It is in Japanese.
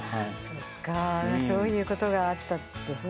そういうことがあったんですね。